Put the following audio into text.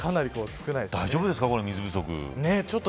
大丈夫ですか、水不足。